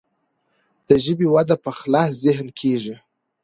د ژبې وده په خلاص ذهن کیږي.